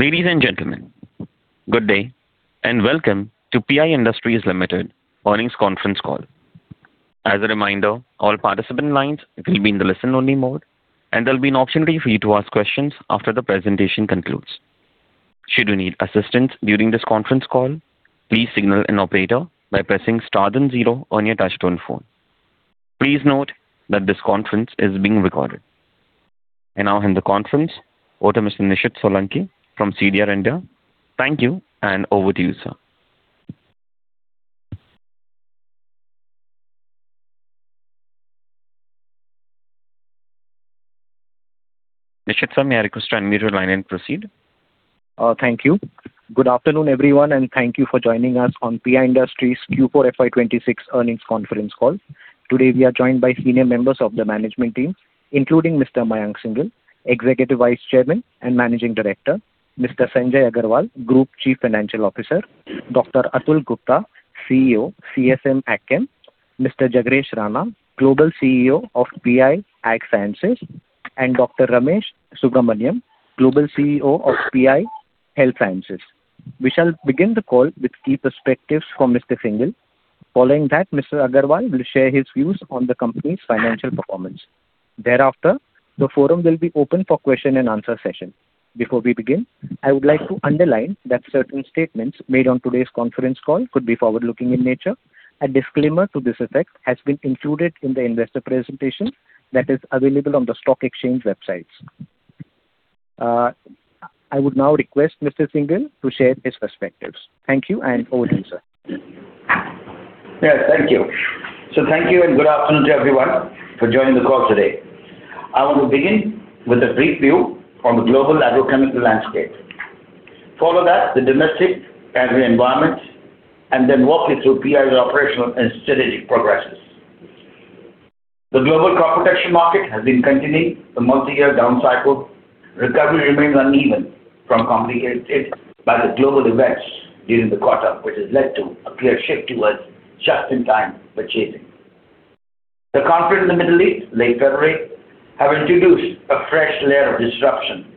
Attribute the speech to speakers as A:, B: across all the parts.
A: Ladies and gentlemen, good day and welcome to PI Industries Ltd's Earnings Conference Call. As a reminder, all participant lines will be in the listen-only mode, and there will be an option for you to ask questions after the presentation concludes. Should you need assistance during this conference call, please signal an operator by pressing star then zero on your touchscreen phone. Please note that this conference is being recorded. Now, in the conference, Nishid Solanki from CDR India, thank you and over to you, sir. Nishid Solanki, may I request to unmute your line and proceed?
B: Thank you. Good afternoon, everyone, and thank you for joining us on PI Industries' Q4 FY 2026 earnings conference call. Today we are joined by senior members of the management team, including Mr. Mayank Singhal, Executive Vice Chairman and Managing Director, Mr. Sanjay Agarwal, Group Chief Financial Officer, Dr. Atul Gupta, CEO, CSM AgChem, Mr. Jagresh Rana, Global CEO of PI Ag Sciences, and Dr. Ramesh Subramanian, Global CEO of PI Health Sciences. We shall begin the call with key perspectives from Mr. Singhal. Following that, Mr. Agarwal will share his views on the company's financial performance. Thereafter, the forum will be open for question-and-answer session. Before we begin, I would like to underline that certain statements made on today's conference call could be forward-looking in nature. A disclaimer to this effect has been included in the investor presentation that is available on the stock exchange websites. I would now request Mr. Singhal to share his perspectives. Thank you and over to you, sir.
C: Yes, thank you. Thank you and good afternoon to everyone for joining the call today. I want to begin with a brief view on the global agrochemical landscape, follow that the domestic agri-environment, and then walk you through PI's operational and strategic progresses. The global crop protection market has been continuing a multi-year down cycle. Recovery remains uneven from complicated by the global events during the quarter, which has led to a clear shift towards just-in-time purchasing. The conflict in the Middle East, late February, has introduced a fresh layer of disruption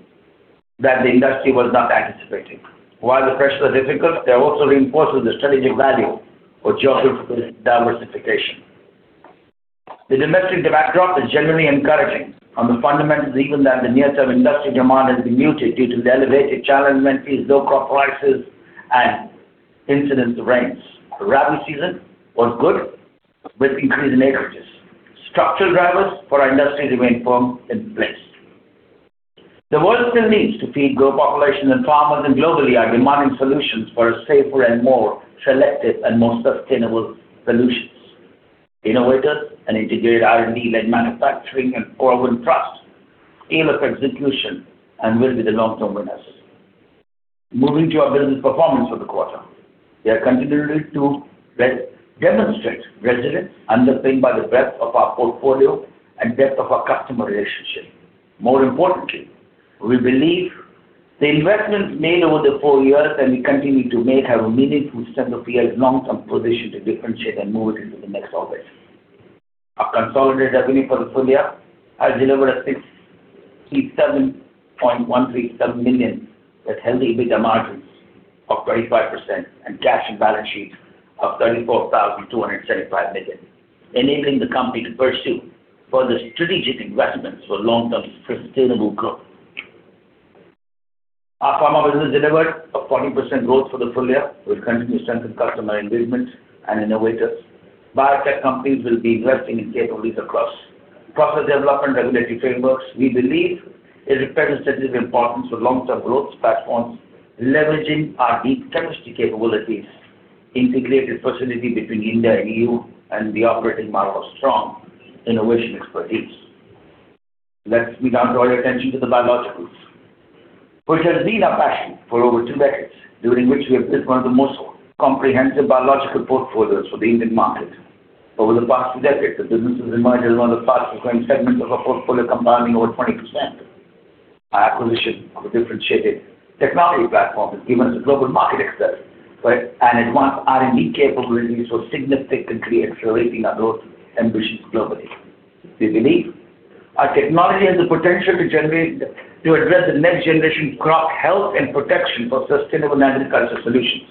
C: that the industry was not anticipating. The pressures are difficult, they also reinforce the strategic value of geographical diversification. The domestic demand drop is generally encouraging on the fundamentals, even though the near-term industry demand has been muted due to the elevated channel inventories, low crop prices, and incidents of rains. The Rabi season was good with increasing acreages. Structural drivers for our industry remain firm in place. The world still needs to feed growth populations and farmers, globally are demanding solutions for safer and more selective and more sustainable solutions. Innovators and integrated R&D-led manufacturing and forward thrust, seamless execution, and will be the long-term winners. Moving to our business performance for the quarter, we are continuing to demonstrate resilience underpinned by the breadth of our portfolio and depth of our customer relationship. More importantly, we believe the investments made over the four years that we continue to make have a meaningful strength of PI's long-term position to differentiate and move it into the next orbit. Our consolidated revenue portfolio has delivered 67.137 million with healthy EBITDA margins of 25% and cash and balance sheets of 34,275 million, enabling the company to pursue further strategic investments for long-term sustainable growth. Our pharma business delivered a 40% growth for the full year. We'll continue to strengthen customer engagement and innovators. Biotech companies will be investing in capabilities across process development regulatory frameworks. We believe it represents significant importance for long-term growth platforms, leveraging our deep chemistry capabilities, integrated facility between India and the E.U., and the operating model of strong innovation expertise. Let's bring down to our attention to the biologicals, which has been a passion for over two decades, during which we have built one of the most comprehensive biological portfolios for the Indian market. Over the past two decades, the business has emerged as one of the fastest-growing segments of our portfolio, compounding over 20%. Our acquisition of a differentiated technology platform has given us a global market access and advanced R&D capabilities for significantly accelerating our growth ambitions globally. We believe our technology has the potential to address the next generation crop health and protection for sustainable agriculture solutions.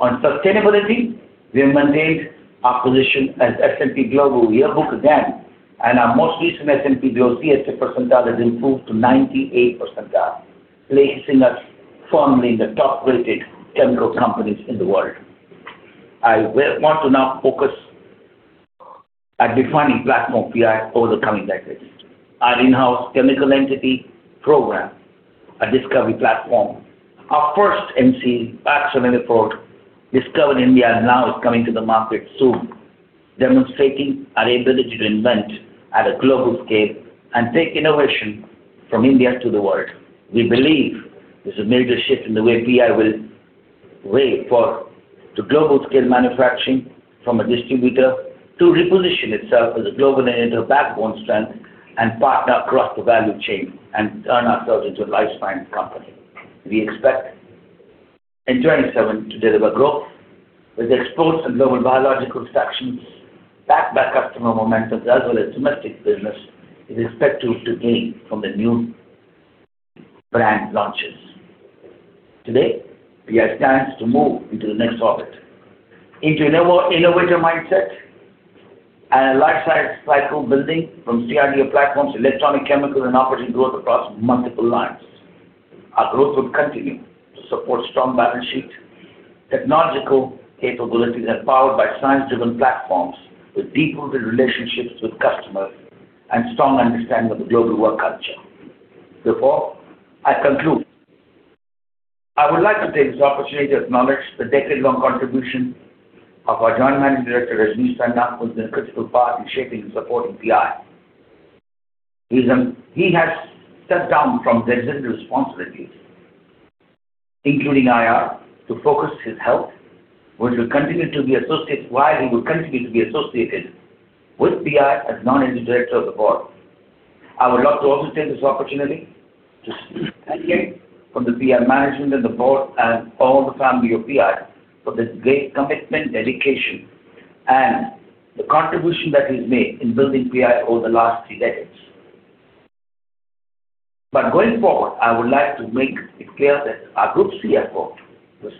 C: On sustainability, we have maintained our position as S&P Global yearbook again, and our most recent S&P Global CSA percentile has improved to 98%, placing us firmly in the top-rated chemical companies in the world. I want to now focus on defining platform PI over the coming decades. Our in-house chemical entity program, a discovery platform, our first NCE, Axel Enfold, discovered in India and now is coming to the market soon, demonstrating our ability to invent at a global scale and take innovation from India to the world. We believe there's a major shift in the way PI will pave for global-scale manufacturing from a distributor to reposition itself as a global innovator, backbone strength, and partner across the value chain and turn ourselves into a life sciences company. We expect in 2027 to deliver growth with exports and global biologicals backed by customer momentum as well as domestic business expected to gain from the new brand launches. Today, PI stands to move into the next orbit, into an innovator mindset and a life sciences cycle building from CRD platforms, electronic chemicals, and operating growth across multiple lines. Our growth would continue to support strong balance sheet technological capabilities and powered by science-driven platforms with deep-rooted relationships with customers and strong understanding of the global work culture. Therefore, I conclude. I would like to take this opportunity to acknowledge the decade-long contribution of our Joint Managing Director, Rajnish Sarna, who has been a critical part in shaping and supporting PI. He has stepped down from the executive responsibilities, including IR, to focus his health, which will continue to be associated while he will continue to be associated with PI as non-Executive Director of the Board. I would love to also take this opportunity to speak from the PI management and the board and all the family of PI for the great commitment, dedication, and the contribution that he's made in building PI over the last three decades. Going forward, I would like to make it clear that our Group CFO,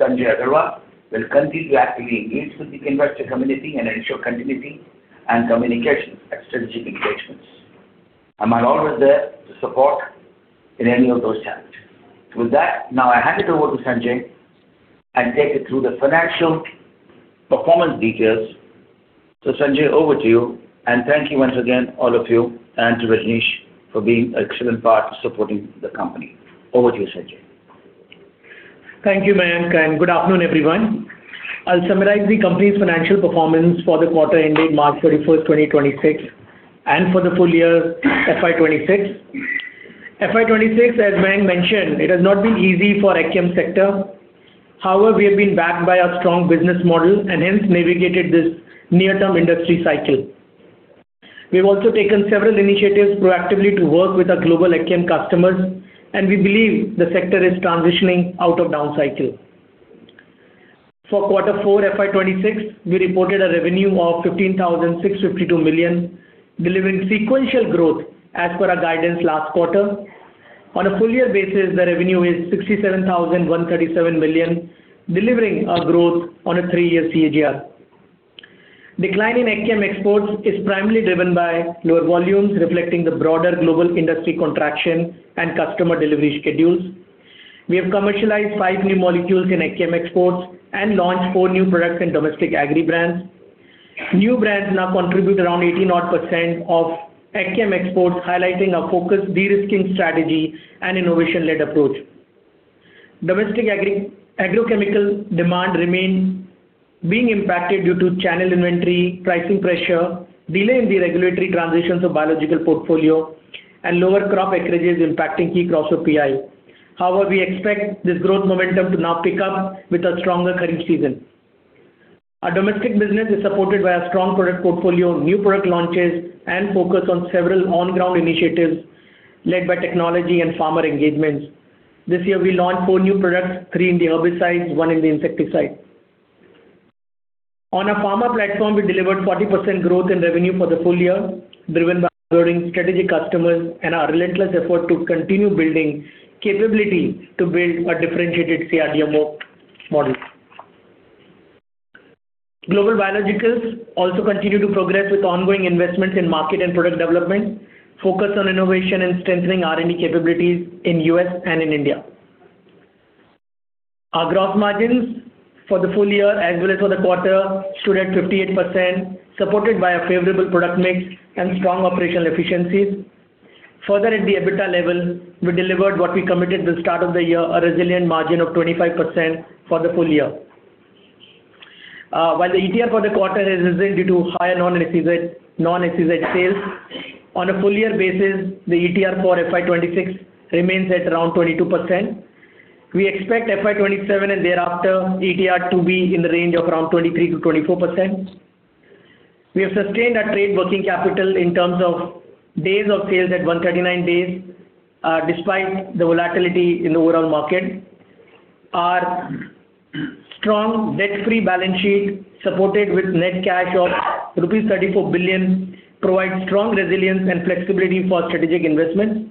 C: Sanjay Agarwal, will continue to actively engage with the investor community and ensure continuity and communications at strategic engagements. I'm always there to support in any of those challenges. With that, now I hand it over to Sanjay and take it through the financial performance details. Sanjay, over to you. Thank you once again, all of you, and to Rajnish for being an excellent part of supporting the company. Over to you, Sanjay.
D: Thank you, Mayank. Good afternoon, everyone. I'll summarize the company's financial performance for the quarter ending March 31st, 2026, and for the full year FY 2026. FY 2026, as Mayank mentioned, it has not been easy for AgChem sector. However, we have been backed by our strong business model and hence navigated this near-term industry cycle. We've also taken several initiatives proactively to work with our global AgChem customers, and we believe the sector is transitioning out of down cycle. For quarter four FY 2026, we reported a revenue of 15,652 million, delivering sequential growth as per our guidance last quarter. On a full-year basis, the revenue is 67,137 million, delivering a growth on a three-year CAGR. Decline in AgChem exports is primarily driven by lower volumes, reflecting the broader global industry contraction and customer delivery schedules. We have commercialized five new molecules in AgChem exports and launched four new products in domestic agri brands. New brands now contribute around 18 odd % of AgChem exports, highlighting our focused de-risking strategy and innovation-led approach. Domestic agrochemical demand remains being impacted due to channel inventory, pricing pressure, delay in the regulatory transitions of biological portfolio, and lower crop acreages impacting key crops of PI. However, we expect this growth momentum to now pick up with a stronger Kharif season. Our domestic business is supported by our strong product portfolio, new product launches, and focus on several on-ground initiatives led by technology and farmer engagements. This year, we launched four new products, three in the herbicides, one in the insecticide. On our pharma platform, we delivered 40% growth in revenue for the full year, driven by our growing strategic customers and our relentless effort to continue building capability to build a differentiated CRDMO model. Global biologicals also continue to progress with ongoing investments in market and product development, focus on innovation, and strengthening R&D capabilities in the U.S. and in India. Our gross margins for the full year as well as for the quarter stood at 58%, supported by a favorable product mix and strong operational efficiencies. At the EBITDA level, we delivered what we committed at the start of the year, a resilient margin of 25% for the full year. While the ETR for the quarter has resisted due to higher non-SEZ sales, on a full-year basis, the ETR for FY 2026 remains at around 22%. We expect FY 2027 and thereafter ETR to be in the range of around 23%-24%. We have sustained our trade working capital in terms of days of sales at 139 days, despite the volatility in the overall market. Our strong debt-free balance sheet, supported with net cash of rupees 34 billion, provides strong resilience and flexibility for strategic investments.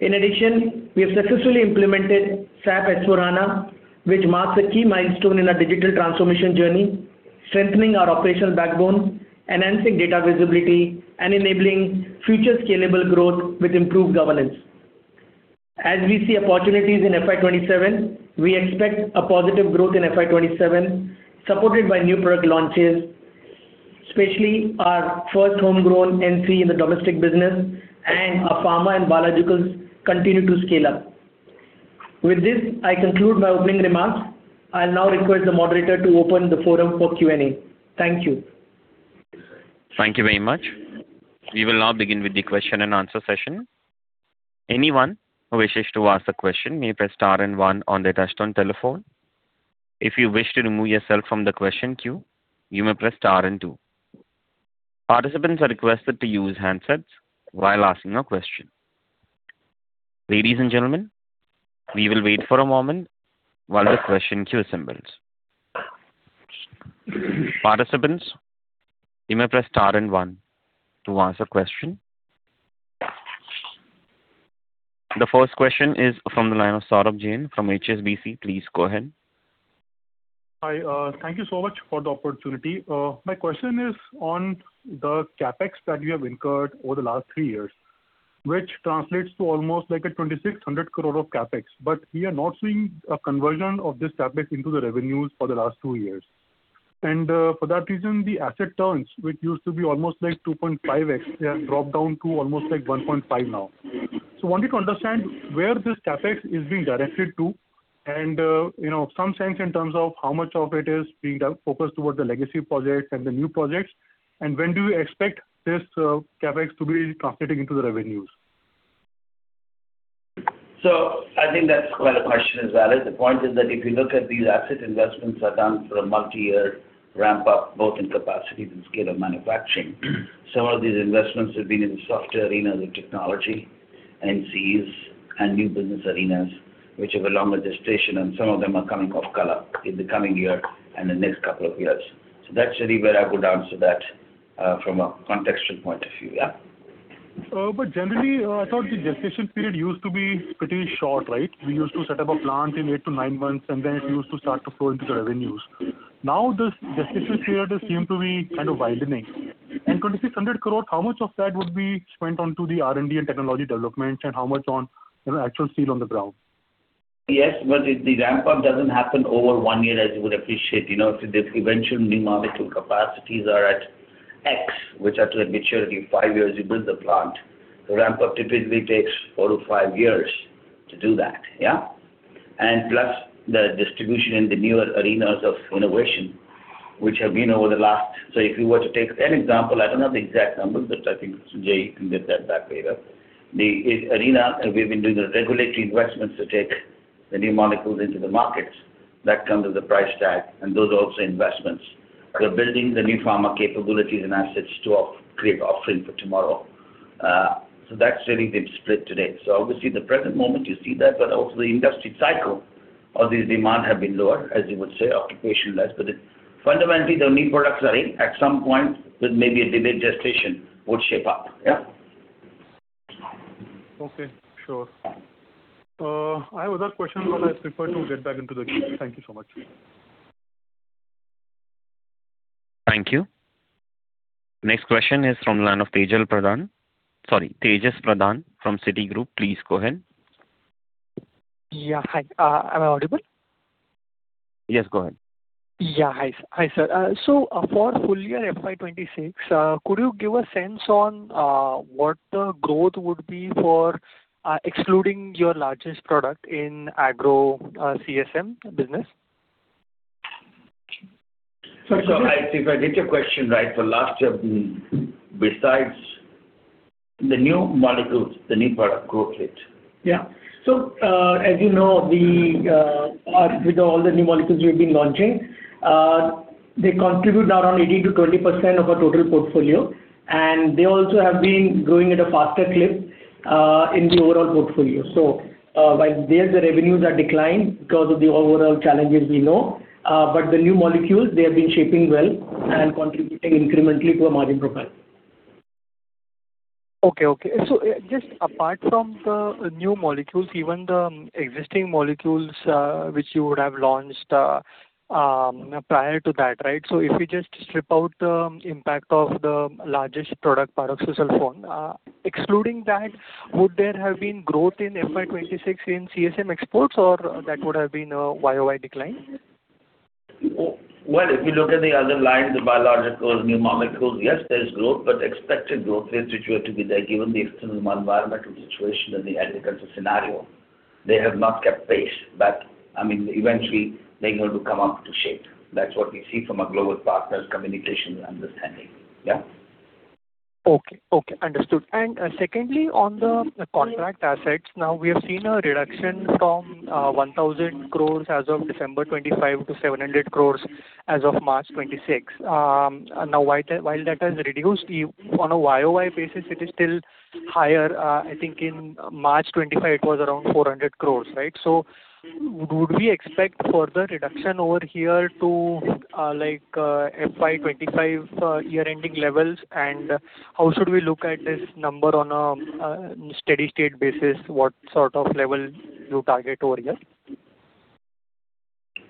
D: In addition, we have successfully implemented SAP S/4HANA, which marks a key milestone in our digital transformation journey, strengthening our operational backbone, enhancing data visibility, and enabling future scalable growth with improved governance. As we see opportunities in FY 2027, we expect a positive growth in FY 2027, supported by new product launches, especially our first homegrown NCE in the domestic business and our pharma and biologicals continue to scale up. With this, I conclude my opening remarks. I'll now request the moderator to open the forum for Q&A. Thank you.
A: Thank you very much. We will now begin with the question-and-answer session. Anyone who wishes to ask a question may press star and one on the touchstone telephone. If you wish to remove yourself from the question queue, you may press star and two. Participants are requested to use handsets. While asking a question, ladies and gentlemen, we will wait for a moment while the question queue assembles. Participants, you may press star and one to answer a question. The first question is from the line of Saurabh Jain from HSBC. Please go ahead.
E: Hi. Thank you so much for the opportunity. My question is on the CapEx that we have incurred over the last three years, which translates to almost like a 2,600 crore of CapEx. We are not seeing a conversion of this CapEx into the revenues for the last two years. For that reason, the asset turns, which used to be almost like 2.5x, dropped down to almost like 1.5x now. I wanted to understand where this CapEx is being directed to and some sense in terms of how much of it is being focused towards the legacy projects and the new projects. When do you expect this CapEx to be translating into the revenues?
C: I think that's quite a question as well. The point is that if you look at these asset investments are done for a multi-year ramp-up, both in capacity and scale of manufacturing, some of these investments have been in the software arena of technology, NCEs, and new business arenas, which have a longer gestation. Some of them are coming off color in the coming year and the next couple of years. That's really where I would answer that from a contextual point of view.
E: Generally, I thought the gestation period used to be pretty short, right? We used to set up a plant in eight to nine months, and then it used to start to flow into the revenues. Now, this gestation period seems to be kind of widening. 2,600 crore, how much of that would be spent onto the R&D and technology developments and how much on actual steel on the ground?
C: Yes, the ramp-up doesn't happen over one year as you would appreciate. If the eventual new molecule capacities are at X, which are to a maturity of five years, you build the plant. The ramp-up typically takes four to five years to do that. Plus the distribution in the newer arenas of innovation, which have been over the last so if you were to take an example, I don't have the exact numbers, but I think, Sanjay, you can get that back later. The arena we've been doing regulatory investments to take the new molecules into the markets. That comes with the price tag and those also investments. We're building the new pharma capabilities and assets to create offering for tomorrow. That's really the split today. Obviously, at the present moment, you see that, but also the industry cycle of these demands have been lower, as you would say, occupation less. Fundamentally, the new products, at some point with maybe a delayed gestation, would shape up. Yeah?
E: Okay. Sure. I have another question, but I prefer to get back into the queue. Thank you so much.
A: Thank you. Next question is from the line of Tejas Pradhan from Citigroup. Please go ahead.
F: Yeah. Hi. Am I audible?
A: Yes. Go ahead.
F: Yeah. Hi, sir. For full year FY 2026, could you give a sense on what the growth would be for excluding your largest product in AgChem CSM business?
C: Sir, if I get your question right, for last year, besides the new molecules, the new product growth rate.
D: As you know, with all the new molecules we've been launching, they contribute now around 18%-20% of our total portfolio. They also have been growing at a faster clip in the overall portfolio. While their revenues are declined because of the overall challenges we know, but the new molecules, they have been shaping well and contributing incrementally to our margin profile.
F: Okay. Okay. Just apart from the new molecules, even the existing molecules which you would have launched prior to that, right? If we just strip out the impact of the largest product, Pyroxasulfone, excluding that, would there have been growth in FY 2026 in CSM exports, or that would have been a year-over-year decline?
C: Well, if we look at the other lines, the biologicals, new molecules, yes, there's growth, but expected growth rate situated with that given the external environmental situation and the agriculture scenario, they have not kept pace. I mean, eventually, they're going to come up to shape. That's what we see from our global partners' communication and understanding. Yeah?
F: Okay. Okay. Understood. Secondly, on the contract assets, now we have seen a reduction from 1,000 crores as of December 2025 to 700 crores as of March 2026. While that has reduced, on a YoY basis, it is still higher. I think in March 2025, it was around 400 crores, right? Would we expect further reduction over here to FY 2025 year-ending levels? How should we look at this number on a steady-state basis? What sort of level do you target over here?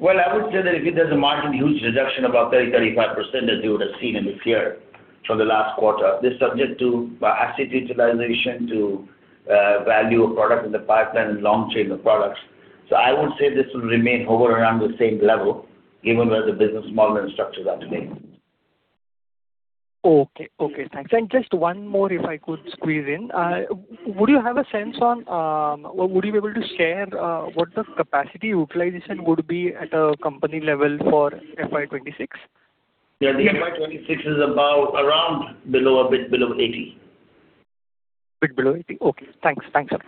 C: Well, I would say that if it has a margin huge reduction about 30%-35% as we would have seen in this year from the last quarter, this is subject to asset utilization, to value of product in the pipeline, and long-term products. I would say this will remain overall around the same level given where the business model and structures are today.
F: Okay. Okay. Thanks. Just one more, if I could squeeze in, would you have a sense on would you be able to share what the capacity utilization would be at a company level for FY 2026?
C: Yeah. The FY 2026 is around a bit below 80.
F: A bit below 80. Okay. Thanks. Thanks, sir.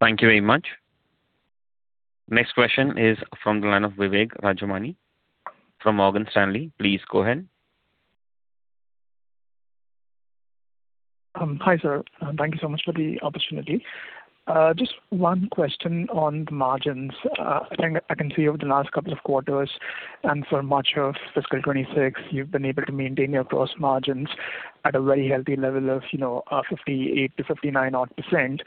A: Thank you very much. Next question is from the line of Vivek Rajamani from Morgan Stanley. Please go ahead.
G: Hi, sir. Thank you so much for the opportunity. Just one question on the margins. I can see over the last couple of quarters and for much of fiscal 2026, you've been able to maintain your gross margins at a very healthy level of 58%-59% odd.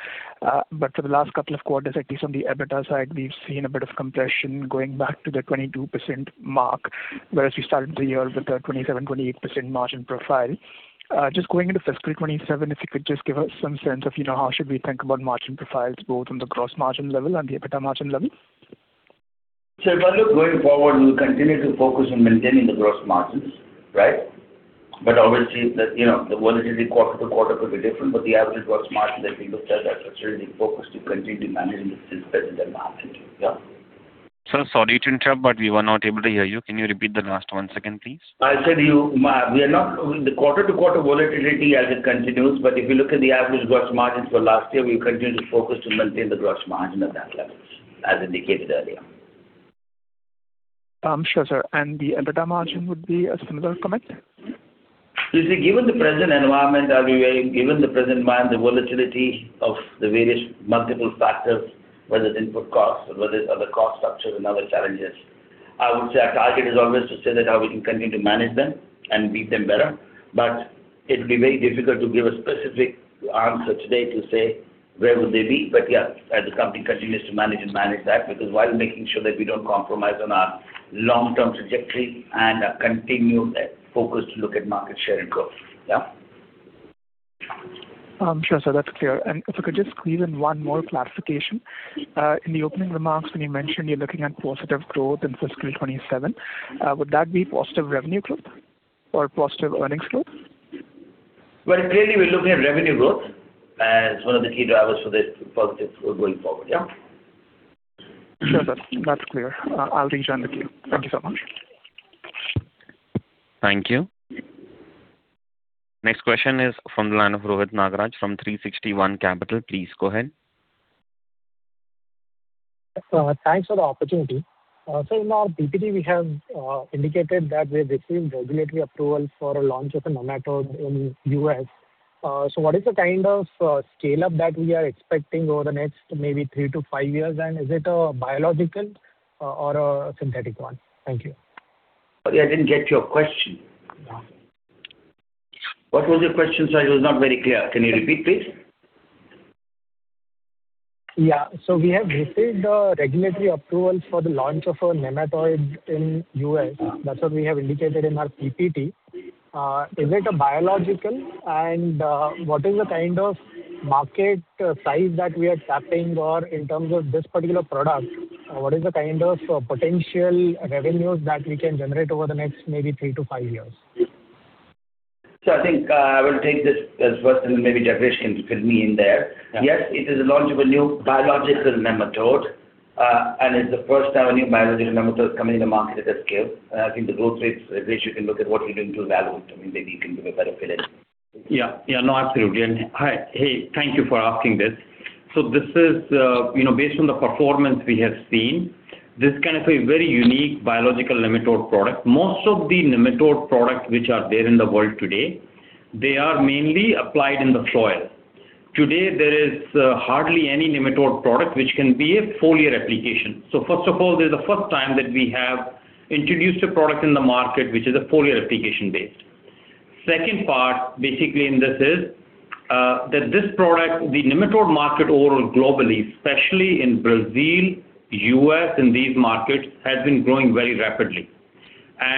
G: For the last couple of quarters, at least on the EBITDA side, we've seen a bit of compression going back to the 22% mark, whereas we started the year with a 27%-28% margin profile. Just going into fiscal 2027, if you could just give us some sense of how should we think about margin profiles, both on the gross margin level and the EBITDA margin level?
C: Sir, by look going forward, we'll continue to focus on maintaining the gross margins, right? Obviously, the volatility quarter-to-quarter could be different, but the average gross margin that we looked at, that's a strategic focus to continue managing the disparities and market. Yeah?
A: Sir, sorry to interrupt, we were not able to hear you. Can you repeat the last one second, please?
C: I said we are not the quarter-to-quarter volatility as it continues, but if you look at the average gross margin for last year, we continue to focus to maintain the gross margin at that level, as indicated earlier.
G: Sure, sir. The EBITDA margin would be a similar commit?
C: You see, given the present environment, the volatility of the various multiple factors, whether it's input costs or whether it's other cost structures and other challenges, I would say our target is always to say that how we can continue to manage them and beat them better. It would be very difficult to give a specific answer today to say where would they be. Yeah, as the company continues to manage that, because while making sure that we don't compromise on our long-term trajectory and continue that focus to look at market share and growth. Yeah.
G: Sure, sir. That's clear. If I could just squeeze in one more clarification. In the opening remarks, when you mentioned you're looking at positive growth in fiscal 2027, would that be positive revenue growth or positive earnings growth?
C: Well, clearly, we're looking at revenue growth as one of the key drivers for this positive growth going forward. Yeah?
G: Sure, sir. That's clear. I'll rejoin the queue. Thank you so much.
A: Thank you. Next question is from the line of Rohit Nagraj from 360 ONE Capital. Please go ahead.
H: Thanks for the opportunity. In our PPT, we have indicated that we have received regulatory approval for a launch of a nematicide in the U.S. What is the kind of scale-up that we are expecting over the next maybe three to five years? Is it a biological or a synthetic one? Thank you.
C: Sorry, I didn't get your question. What was your question, sir? It was not very clear. Can you repeat, please?
H: Yeah. We have received regulatory approvals for the launch of a nematicide in the U.S. That's what we have indicated in our PPT. Is it a biological? What is the kind of market size that we are tapping in terms of this particular product? What is the kind of potential revenues that we can generate over the next maybe three to five years?
C: Sir, I think I will take this first, and maybe Jagresh can fill me in there. Yes, it is a launch of a new biological nematode. It's the first time a new biological nematode is coming in the market at that scale. I think the growth rates, at least you can look at what you're doing to evaluate. I mean, maybe you can give a better feeling.
I: Yeah. Yeah. No, absolutely. Hey, thank you for asking this. Based on the performance we have seen, this kind of a very unique biological nematicide product, most of the nematicide products which are there in the world today, they are mainly applied in the soil. Today, there is hardly any nematicide product which can be a foliar application. First of all, this is the first time that we have introduced a product in the market which is a foliar application-based. Second part in this is that this product, the nematicide market overall globally, especially in Brazil, U.S., in these markets, has been growing very rapidly.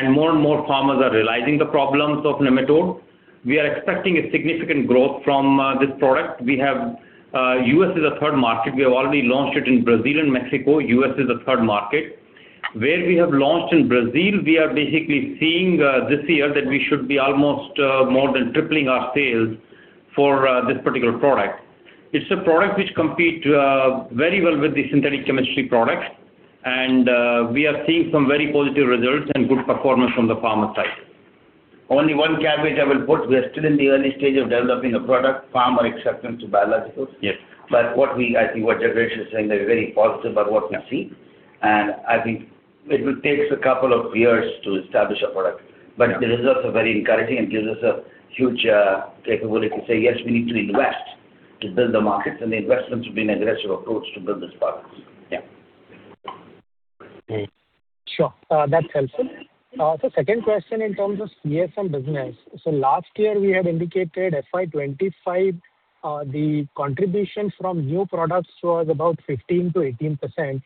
I: More and more farmers are realizing the problems of nematodes. We are expecting a significant growth from this product. U.S. is a third market. We have already launched it in Brazil and Mexico. U.S. is a third market. Where we have launched in Brazil, we are basically seeing this year that we should be almost more than tripling our sales for this particular product. It's a product which competes very well with the synthetic chemistry products. We are seeing some very positive results and good performance from the farmer side.
C: Only one caveat I will put. We are still in the early stage of developing a product, farmer acceptance of biologicals. I think what Jagresh Rana is saying is very positive about what we see. I think it takes a couple of years to establish a product. The results are very encouraging and give us a huge capability to say, yes, we need to invest to build the markets. The investments have been aggressive approach to build this product. Yeah.
H: Sure. That's helpful. Second question in terms of CSM business. Last year, we had indicated FY 2025, the contribution from new products was about 15%-18%.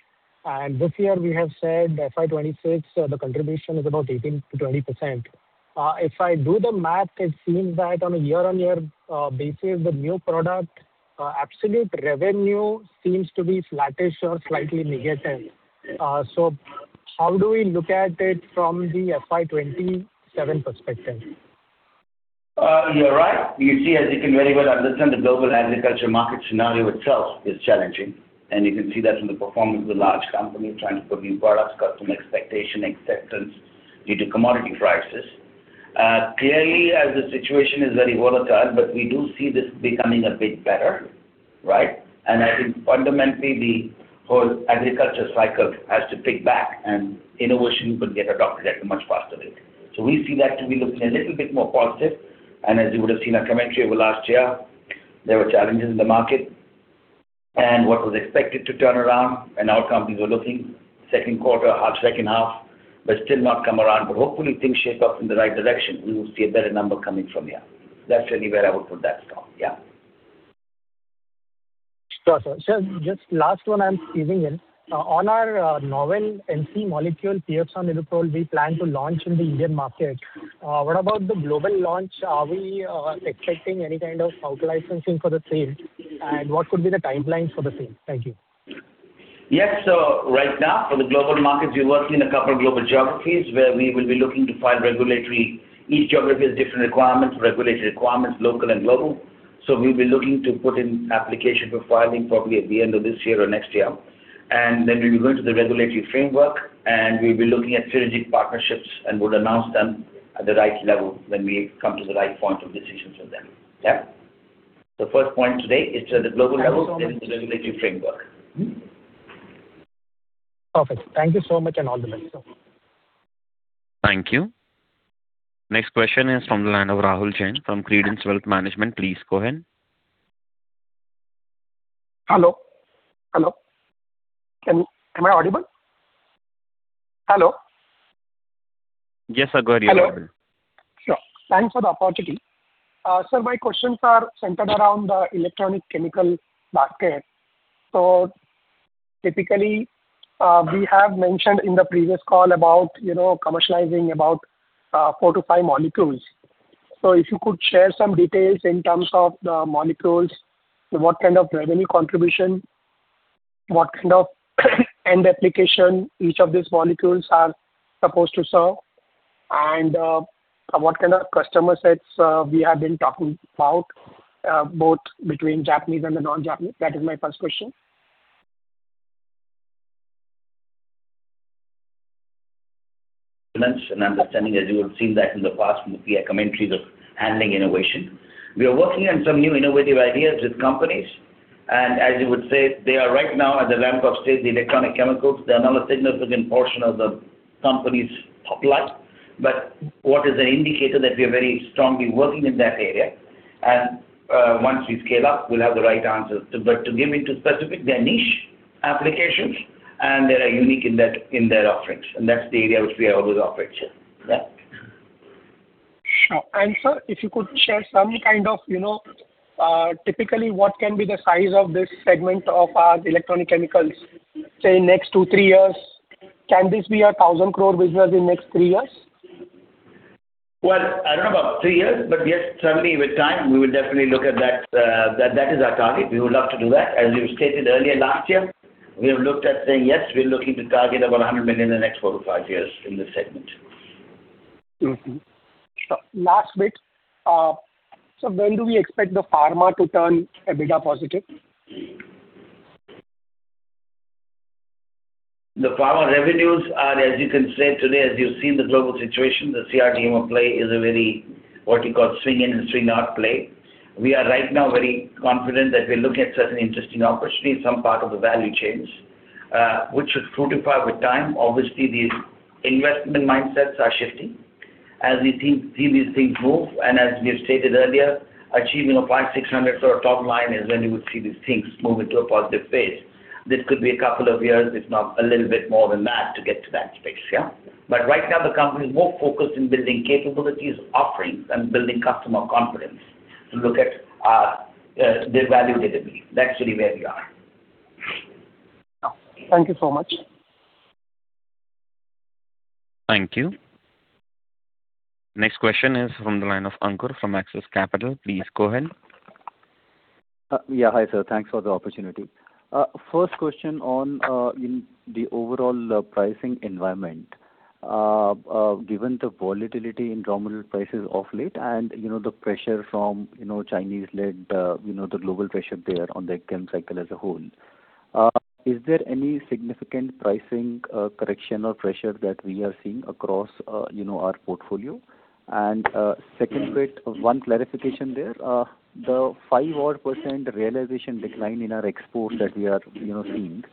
H: This year, we have said FY 2026, the contribution is about 18%-20%. If I do the math, it seems that on a year-on-year basis, the new product absolute revenue seems to be flattish or slightly negative. How do we look at it from the FY 2027 perspective?
C: You're right. You see, as you can very well understand, the global agriculture market scenario itself is challenging. You can see that from the performance of the large company trying to put new products, customer expectation, acceptance due to commodity prices. Clearly, as the situation is very volatile, but we do see this becoming a bit better, right? I think fundamentally, the whole agriculture cycle has to pick back, and innovation could get adopted at a much faster rate. We see that to be looking a little bit more positive. As you would have seen our commentary over last year, there were challenges in the market. What was expected to turn around and how companies were looking, second quarter, half second half, but still not come around. Hopefully, things shape up in the right direction. We will see a better number coming from here. That's really where I would put that stop. Yeah.
H: Sure, sir. Sir, just last one I'm squeezing in. On our novel NCE molecule, PIOPSON ibuprofen, we plan to launch in the Indian market. What about the global launch? Are we expecting any kind of auto-licensing for the same? What could be the timeline for the same? Thank you.
C: Yes. Right now, for the global markets, we're working in a couple of global geographies where we will be looking to file regulatory. Each geography has different regulatory requirements, local and global. We'll be looking to put in application for filing probably at the end of this year or next year. Then we'll be going to the regulatory framework, and we'll be looking at synergic partnerships and would announce them at the right level when we come to the right point of decisions with them. Yeah? The first point today is that at the global level, there is a regulatory framework.
H: Perfect. Thank you so much and all the best, sir.
A: Thank you. Next question is from the line of Rahul Jain from Credence Wealth Management. Please go ahead.
J: Hello. Hello. Am I audible? Hello?
A: Yes, sir. Go ahead. You're audible.
J: Hello. Sure. Thanks for the opportunity. Sir, my questions are centered around the electronic chemical basket. Typically, we have mentioned in the previous call about commercializing about four to five molecules. If you could share some details in terms of the molecules, what kind of revenue contribution, what kind of end application each of these molecules are supposed to serve, and what kind of customer sets we have been talking about, both between Japanese and the non-Japanese? That is my first question.
C: Dimension and understanding, as you would have seen that in the past from the commentaries of handling innovation. We are working on some new innovative ideas with companies. As you would say, they are right now at the ramp-up stage, the electronic chemicals. They are not a significant portion of the company's supply. What is an indicator that we are very strongly working in that area? Once we scale up, we'll have the right answers. To get into specific, they're niche applications, and they are unique in their offerings. That's the area which we always operate in. Yeah?
J: Sure. Sir, if you could share some kind of typically, what can be the size of this segment of our electronic chemicals, say, next two, three years? Can this be a 1,000 crore business in next three years?
C: Well, I don't know about three years, but yes, certainly, with time, we will definitely look at that. That is our target. We would love to do that. As you stated earlier last year, we have looked at saying, yes, we're looking to target about 100 million in the next four to five years in this segment.
J: Sure. Last bit. Sir, when do we expect the pharma to turn EBITDA positive?
C: The pharma revenues are, as you can say today, as you've seen the global situation, the CRDMO play is a very, what you call, swing-in and swing-out play. We are right now very confident that we're looking at such an interesting opportunity, some part of the value chains, which should fructify with time. Obviously, the investment mindsets are shifting. As we see these things move, and as we have stated earlier, achieving 5,600 for a top line is when you would see these things move into a positive phase. That could be a couple years, if not a little bit more than that, to get to that space. Yeah, but right now, the company is more focused in building capabilities, offerings, and building customer confidence to look at their value database. That's really where we are.
J: Thank you so much.
A: Thank you. Next question is from the line of Ankur from Axis Capital. Please go ahead.
K: Yeah. Hi, sir. Thanks for the opportunity. First question on the overall pricing environment, given the volatility in raw material prices of late and the pressure from Chinese-led, the global pressure there on the AgChem cycle as a whole, is there any significant pricing correction or pressure that we are seeing across our portfolio? Second bit, one clarification there. The five-odd percent realization decline in our exports that we are seeing,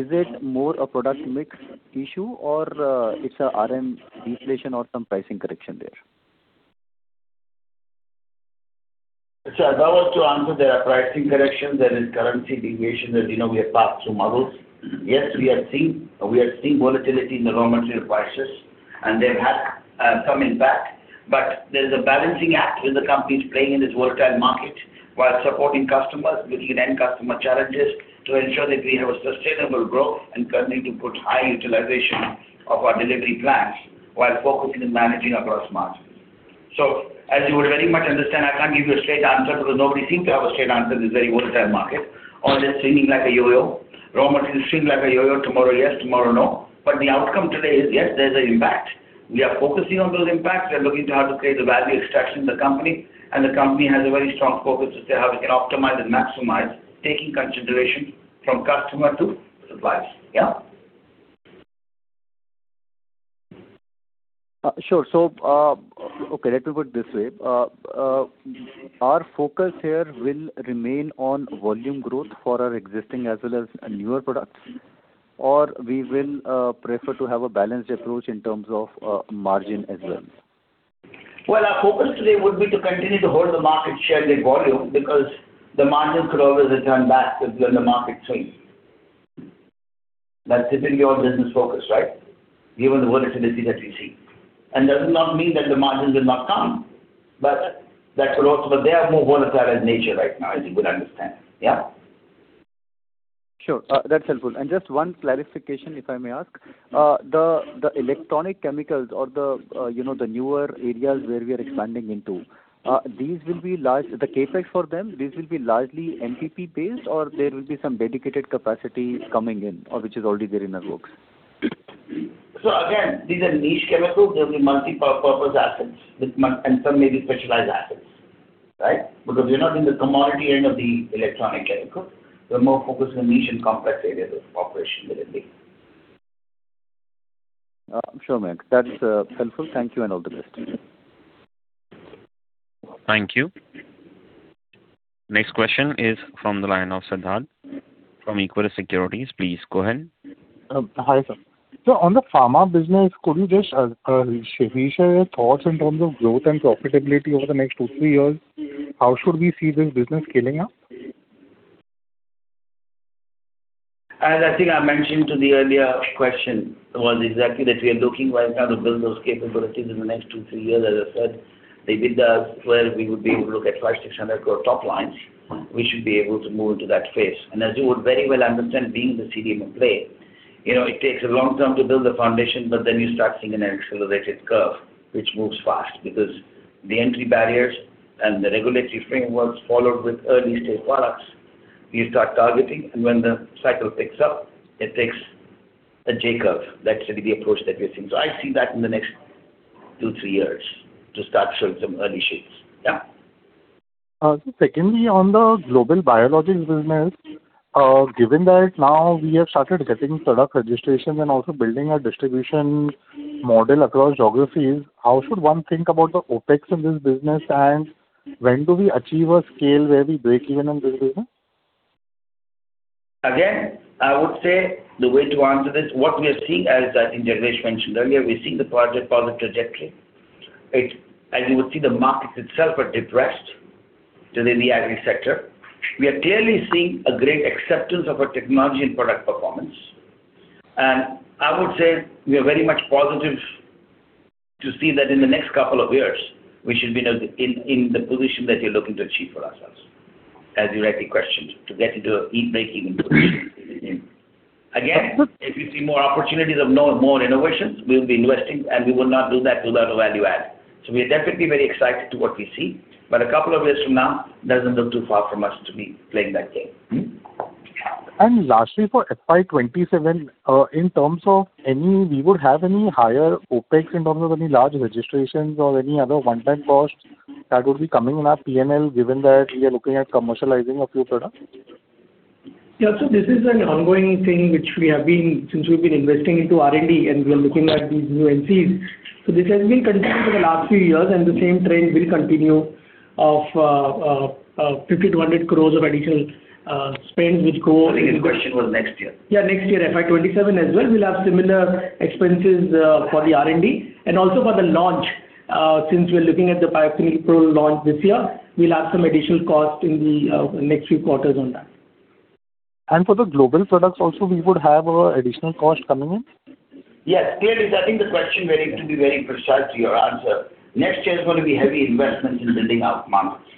K: is it more a product mix issue, or it's an RM deflation or some pricing correction there?
C: Sir, I would like to answer that. A pricing correction, that is, currency deviation, that we have passed through models. Yes, we are seeing volatility in the raw material prices, and they have had some impact. There is a balancing act where the company is playing in this volatile market while supporting customers, looking at end-customer challenges to ensure that we have a sustainable growth and continuing to put high utilization of our delivery plans while focusing on managing across markets. As you would very much understand, I can't give you a straight answer because nobody seems to have a straight answer. This is a very volatile market. All is swinging like a yo-yo. Raw materials swing like a yo-yo tomorrow, yes, tomorrow, no. The outcome today is, yes, there's an impact. We are focusing on those impacts. We are looking to how to create the value extraction in the company. The company has a very strong focus to say how we can optimize and maximize, taking consideration from customer to supplies. Yeah?
K: Sure. Okay, let me put it this way. Our focus here will remain on volume growth for our existing as well as newer products, or we will prefer to have a balanced approach in terms of margin as well?
C: Well, our focus today would be to continue to hold the market share and the volume because the margins could always return back when the market swings. That's typically our business focus, right, given the volatility that we see. That does not mean that the margins will not come, but they are more volatile in nature right now, as you would understand. Yeah?
K: Sure. That's helpful. Just one clarification, if I may ask. The electronic chemicals or the newer areas where we are expanding into, the capex for them, these will be largely MPP-based, or there will be some dedicated capacity coming in, which is already there in our books?
C: Again, these are niche chemicals. There will be multipurpose assets and some maybe specialized assets, right, because we're not in the commodity end of the electronic chemicals. We're more focused on niche and complex areas of operation within these.
K: Sure, Mayank Singhal. That's helpful. Thank you and all the best.
A: Thank you. Next question is from the line of Siddharth Gadekar from Equirus Securities. Please go ahead.
L: Hi, sir. Sir, on the pharma business, could you just share your thoughts in terms of growth and profitability over the next two, three years? How should we see this business scaling up?
C: As I think I mentioned to the earlier question, it was exactly that we are looking right now to build those capabilities in the next two, three years. As I said, they bid us where we would be able to look at 5,600 crore top lines. We should be able to move into that phase. As you would very well understand, being the CDMO play, it takes a long time to build the foundation, but then you start seeing an accelerated curve, which moves fast because the entry barriers and the regulatory frameworks followed with early-stage products, you start targeting. When the cycle picks up, it takes a J curve. That's really the approach that we are seeing. I see that in the next two, three years to start showing some early shifts. Yeah?
L: Just a second. On the global biologics business, given that now we have started getting product registrations and also building a distribution model across geographies, how should one think about the OpEx in this business, and when do we achieve a scale where we break even in this business?
C: I would say the way to answer this, what we are seeing, as I think Jagresh Rana mentioned earlier, we're seeing the project-positive trajectory. As you would see, the markets itself are depressed today in the agri-sector. We are clearly seeing a great acceptance of our technology and product performance. I would say we are very much positive to see that in the next couple of years, we should be in the position that we are looking to achieve for ourselves, as you rightly questioned, to get into a break-even position. If you see more opportunities of more innovations, we will be investing, and we will not do that without a value add. We are definitely very excited to what we see. A couple of years from now, it doesn't look too far from us to be playing that game.
L: Lastly, for FY 2027, in terms of any we would have any higher OPEX in terms of any large registrations or any other one-time costs that would be coming in our P&L given that we are looking at commercializing a few products?
D: Yeah. Sir, this is an ongoing thing which we have been since we've been investing into R&D, and we are looking at these new NCEs. This has been continuing for the last few years, and the same trend will continue of 50 crore-100 crore of additional spends which go.
C: The following question was next year.
L: Next year. FY 2027 as well, we'll have similar expenses for the R&D. Also for the launch, since we're looking at the PIOPSON ibuprofen launch this year, we'll have some additional cost in the next few quarters on that. For the global products also, we would have additional costs coming in?
C: Yes. Clearly, setting the question to be very precise to your answer. Next year is going to be heavy investments in building out markets.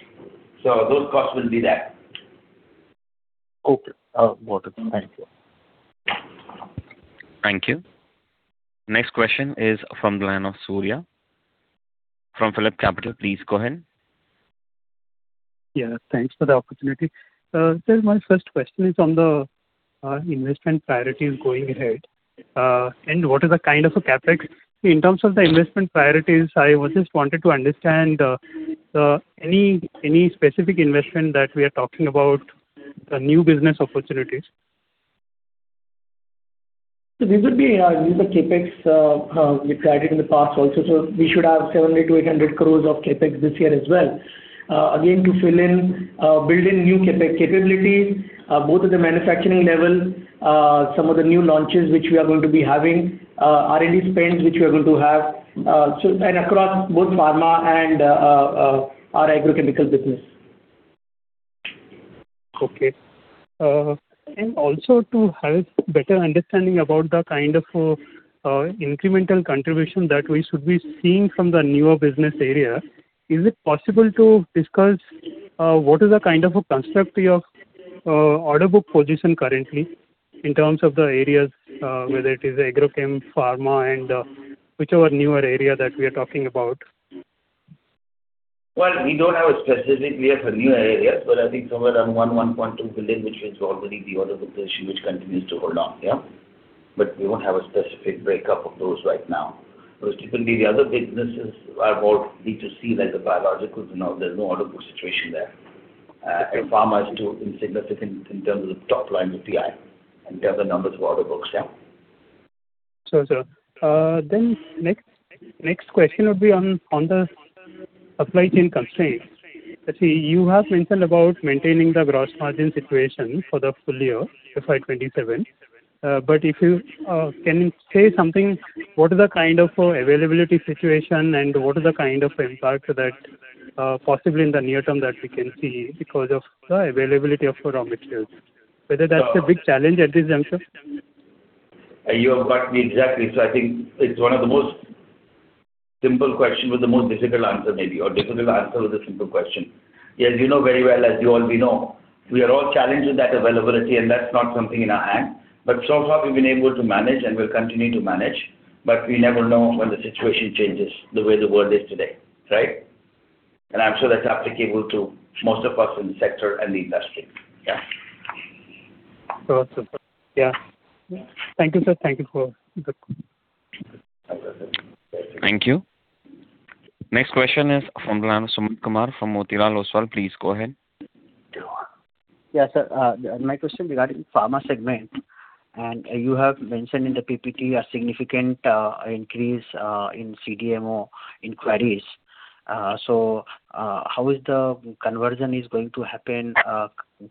C: Those costs will be there.
L: Okay. Got it. Thank you.
A: Thank you. Next question is from the line of Surya. From PhillipCapital, please go ahead.
M: Yeah. Thanks for the opportunity. Sir, my first question is on the investment priorities going ahead and what is the kind of a CapEx. In terms of the investment priorities, I just wanted to understand any specific investment that we are talking about, the new business opportunities.
D: Sir, these are CapEx. We've tried it in the past also. We should have 70-800 crores of CapEx this year as well, again, to build in new capabilities, both at the manufacturing level, some of the new launches which we are going to be having, R&D spends which we are going to have, and across both pharma and our agrochemical business.
M: Okay. Also to have better understanding about the kind of incremental contribution that we should be seeing from the newer business area, is it possible to discuss what is the kind of a construct of order book position currently in terms of the areas, whether it is AgChem, pharma, and whichever newer area that we are talking about?
C: We don't have a specific list of new areas, but I think somewhere around 1 billion-1.2 billion, which is already the order book position which continues to hold on. Yeah. We won't have a specific breakup of those right now. Most typically, the other businesses are more B2C, like the biologicals. There's no order book situation there. Pharma is too insignificant in terms of the top lines of PI and the other numbers for order books. Yeah.
M: Sure, sir. Next question would be on the supply chain constraints. Let's see. You have mentioned about maintaining the gross margin situation for the full year, FY 2027. If you can say something, what is the kind of availability situation, and what is the kind of impact possibly in the near term that we can see because of the availability of raw materials, whether that's a big challenge at this juncture?
C: You have got me exactly. I think it's one of the most simple questions with the most difficult answer maybe, or difficult answer with a simple question. Yes, you know very well, as you all we know, we are all challenged with that availability, and that's not something in our hands. So far, we've been able to manage, and we'll continue to manage. We never know when the situation changes the way the world is today, right? I'm sure that's applicable to most of us in the sector and the industry. Yeah?
M: Sure, sir. Yeah. Thank you, sir. Thank you for the.
A: Thank you. Next question is from the line of Sumant Kumar from Motilal Oswal. Please go ahead.
N: Yeah, sir. My question regarding pharma segment. You have mentioned in the PPT a significant increase in CDMO inquiries. How is the conversion going to happen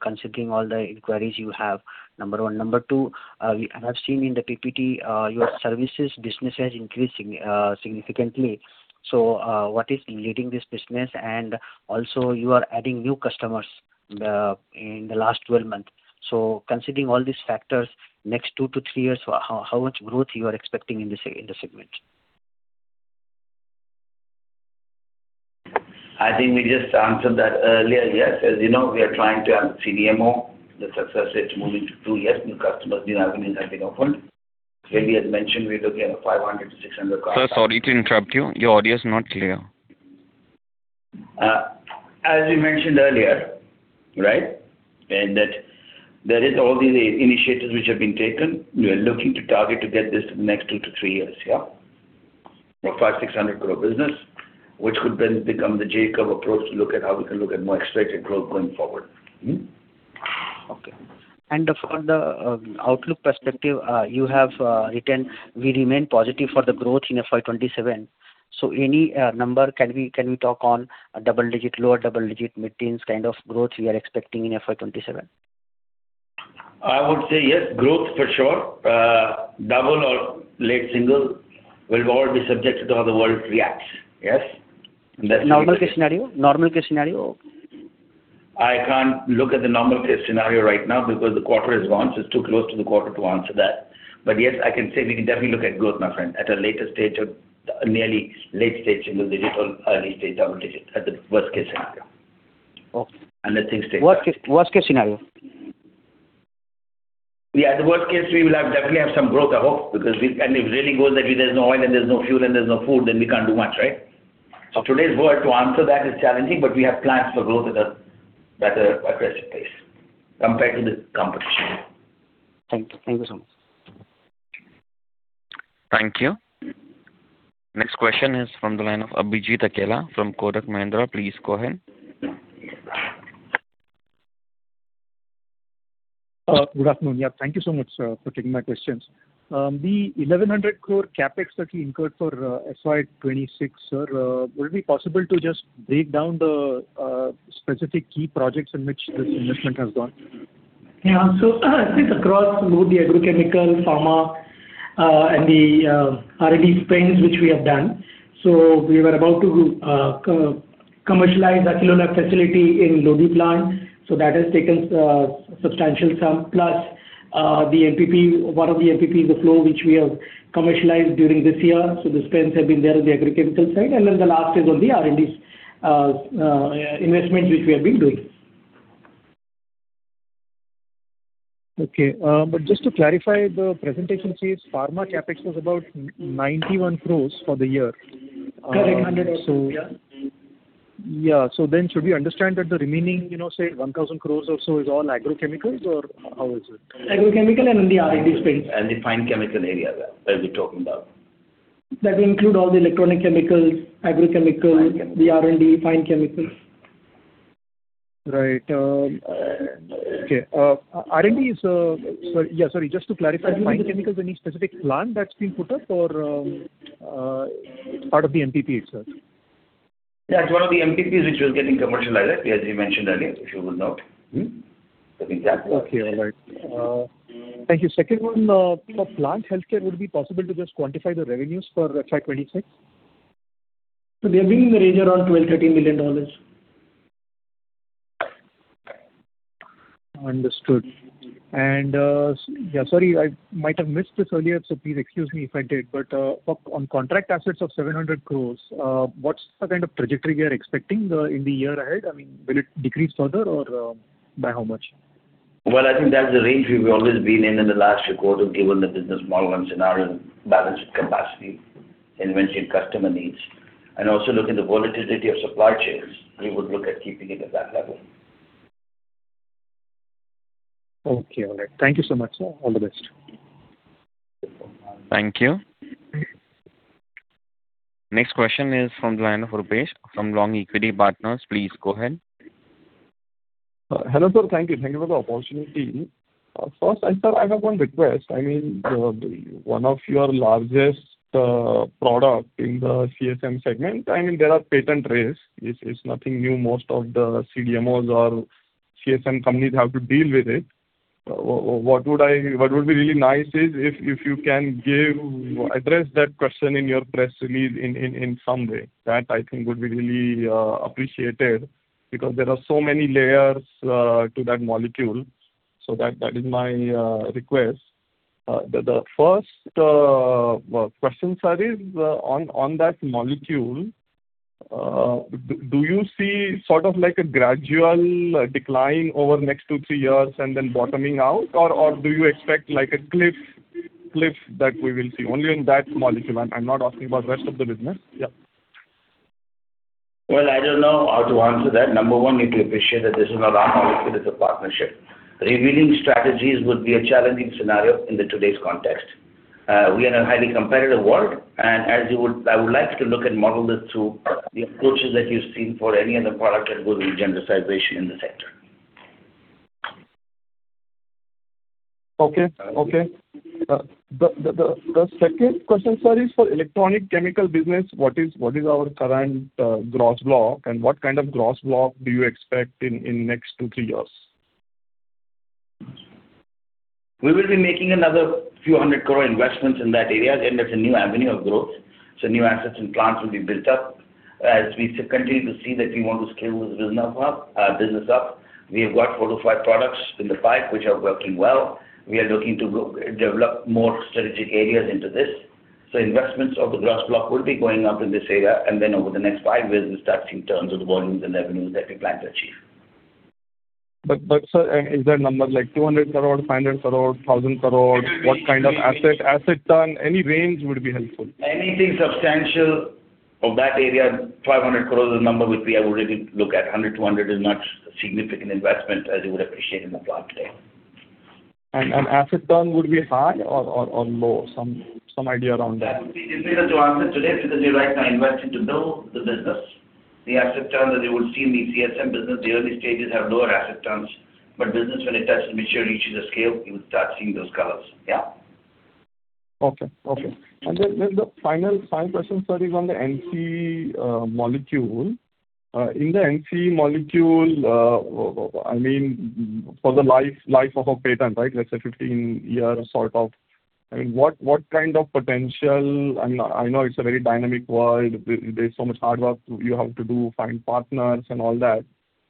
N: considering all the inquiries you have, number one? Number two, I have seen in the PPT your services business has increased significantly. What is leading this business? Also, you are adding new customers in the last 12 months. Considering all these factors, next two to three years, how much growth you are expecting in the segment?
C: I think we just answered that earlier, yes. As you know, we are trying to add the CDMO. The success rate moving to two, years, new customers, new avenues have been opened. Well, we had mentioned we're looking at 500 crore-600 crore.
A: Sir, sorry to interrupt you. Your audio is not clear.
C: As we mentioned earlier, right, there are all these initiatives which have been taken. We are looking to target to get this to the next two to three years, yeah, of 500-600 crore business, which could then become the J curve approach to look at how we can look at more expected growth going forward.
N: Okay. From the outlook perspective, you have written we remain positive for the growth in FY 2027. Any number can we talk on, double digit, lower double digit, mid-teens kind of growth we are expecting in FY 2027?
C: I would say yes, growth for sure. Double or late single, we will all be subjected to how the world reacts. Yes?
N: Normal case scenario? Normal case scenario?
C: I can't look at the normal case scenario right now because the quarter has gone. It's too close to the quarter to answer that. Yes, I can say we can definitely look at growth, my friend, at a later stage or nearly late stage single digit or early stage double digit at the worst-case scenario. That's things taken.
N: Worst-case scenario?
C: Yeah. The worst case, we will definitely have some growth, I hope, because if really goes that there's no oil, and there's no fuel, and there's no food, then we can't do much, right? Today's world, to answer that, is challenging, but we have plans for growth at an aggressive pace compared to the competition.
N: Thank you. Thank you so much.
A: Thank you. Next question is from the line of Abhijit Akella from Kotak Mahindra. Please go ahead.
O: Good afternoon. Yeah, thank you so much for taking my questions. The 1,100 crore CapEx that we incurred for FY 2026, sir, would it be possible to just break down the specific key projects in which this investment has gone?
D: Yeah. I think across both the agrochemical, pharma, and the R&D spends which we have done. We were about to commercialize a kilo lab facility in Lodi plant. That has taken substantial sum, plus one of the MPPs, the flow, which we have commercialized during this year. The spends have been there on the agrochemical side. The last is on the R&D investments which we have been doing.
O: Okay. Just to clarify the presentation, chief, pharma capex was about 91 crores for the year.
D: Correct. 100 or so. Yeah.
O: Yeah. Should we understand that the remaining, say, 1,000 crores or so is all agrochemicals, or how is it?
D: Agrochemical and then the R&D spends.
C: The fine chemical area that we're talking about.
D: That will include all the electronic chemicals, agrochemical, the R&D, fine chemicals.
O: Right. Okay. R&D is yeah, sorry. Just to clarify, fine chemicals, any specific plant that's been put up, or it's part of the MPP itself?
C: It's one of the MPPs which was getting commercialized, as you mentioned earlier, if you would note the exact word.
O: Okay. All right. Thank you. Second one, for Plant Health Care, would it be possible to just quantify the revenues for FY 2026?
D: They have been in the range around $12 million-$13 million.
O: Understood. Yeah, sorry, I might have missed this earlier, so please excuse me if I did. On contract assets of 700 crores, what's the kind of trajectory we are expecting in the year ahead? I mean, will it decrease further, or by how much?
C: Well, I think that's the range we've always been in in the last few quarters given the business model and scenario and balance of capacity and mentioned customer needs. Also looking at the volatility of supply chains, we would look at keeping it at that level.
O: Okay. All right. Thank you so much, sir. All the best.
A: Thank you. Next question is from the line of Rupesh from Long Equity Partners. Please go ahead.
P: Hello, sir. Thank you. Thank you for the opportunity. First, sir, I have one request. I mean, one of your largest products in the CSM segment, I mean, there are patent risk. It's nothing new. Most of the CDMOs or CSM companies have to deal with it. What would be really nice is if you can address that question in your press release in some way. That, I think, would be really appreciated because there are so many layers to that molecule. That is my request. The first question, sir, is on that molecule, do you see sort of a gradual decline over next two, three years and then bottoming out, or do you expect a cliff that we will see only on that molecule? I'm not asking about the rest of the business. Yeah.
C: Well, I don't know how to answer that. Number one, we appreciate that this is not our molecule. It's a partnership. Revealing strategies would be a challenging scenario in today's context. We are in a highly competitive world, and I would like to look and model this through the approaches that you've seen for any other product that goes with generalization in the sector.
P: Okay. Okay. The second question, sir, is for electronic chemical business, what is our current gross block, and what kind of gross block do you expect in next two, three years?
C: We will be making another INR few hundred crore investments in that area. That's a new avenue of growth. New assets and plants will be built up as we continue to see that we want to scale this business up. We have got four to five products in the pipe which are working well. We are looking to develop more strategic areas into this. Investments of the gross block would be going up in this area. Over the next five years, we start seeing turns of the volumes and revenues that we plan to achieve.
P: Sir, is that number like 200 crore, 500 crore, 1,000 crore, what kind of asset turn, any range would be helpful?
C: Anything substantial of that area, 500 crore is a number which I would really look at. 100 crore-200 crore is not a significant investment as you would appreciate in the plant today.
P: Asset turn would be high or low, some idea around that?
C: That would be the answer today because we're right now investing to build the business. The asset turn that you would see in the CSM business, the early stages have lower asset turns. Business, when it touches mature, reaches a scale, you would start seeing those colors. Yeah.
P: Okay. Okay. Then the final question, sir, is on the NCE molecule. In the NCE molecule, I mean, for the life of a patent, right, let's say 15 years sort of, I mean, what kind of potential I know it's a very dynamic world. There's so much hard work you have to do, find partners, and all that.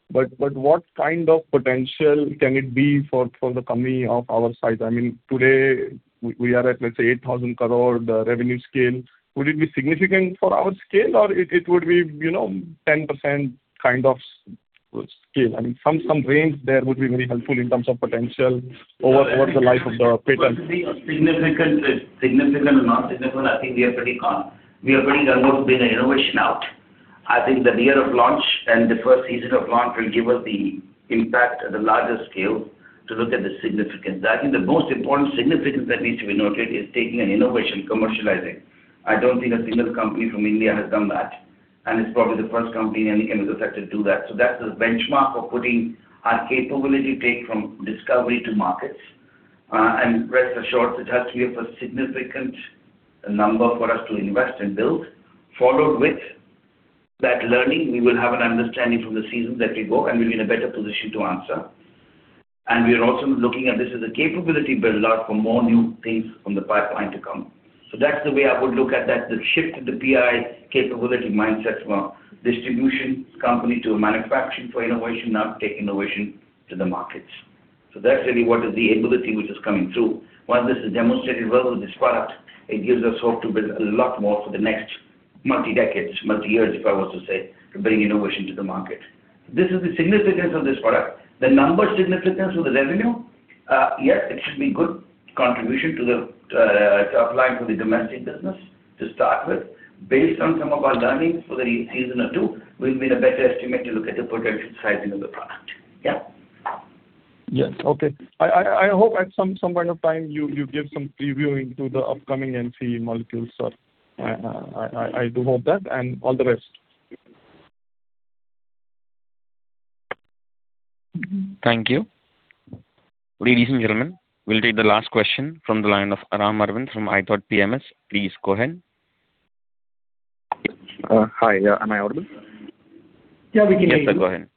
P: What kind of potential can it be for the company of our size? I mean, today, we are at, let's say, 8,000 crore revenue scale. Would it be significant for our scale, or it would be 10% kind of scale? I mean, some range there would be very helpful in terms of potential over the life of the patent.
C: It would be significant or not significant. I think we are pretty done with being an innovation out. I think that year of launch and the first season of launch will give us the impact at the larger scale to look at the significance. I think the most important significance that needs to be noted is taking an innovation, commercializing. I don't think a single company from India has done that. It's probably the first company in any chemical sector to do that. That's the benchmark for putting our capability take from discovery to markets. Rest assured, it has to be a significant number for us to invest and build, followed with that learning. We will have an understanding from the season that we go, and we'll be in a better position to answer. We are also looking at this as a capability buildout for more new things from the pipeline to come. That's the way I would look at that, the shift to the PI capability mindset from a distribution company to a manufacturing for innovation, now take innovation to the markets. That's really what is the ability which is coming through. Once this is demonstrated well with this product, it gives us hope to build a lot more for the next multi-decades, multi-years, if I was to say, to bring innovation to the market. This is the significance of this product. The number significance for the revenue, yes, it should be a good contribution to applying for the domestic business to start with. Based on some of our learnings for the season or two, we'll be in a better estimate to look at the potential sizing of the product. Yeah?
P: Yes. Okay. I hope at some point of time, you give some preview into the upcoming NCE molecules, sir. I do hope that. All the rest.
A: Thank you. Ladies and gentlemen, we will take the last question from the line of Rham Saravanan from iThoughtPMS. Please go ahead.
Q: Hi. Am I audible?
D: Yeah, we can hear you.
A: Yes, sir. Go ahead.